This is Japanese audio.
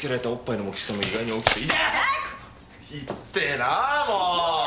いってーなーもう！